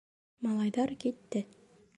Малайҙар китте.